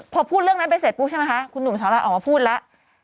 พอพูดเรื่องนั้นไปเสร็จปุ๊บใช่ไหมคะคุณหนุ่มสาระออกมาพูดแล้ว